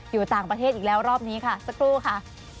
อยู่ต่างประเทศอีกแล้วรอบนี้ค่ะสักครู่ค่ะ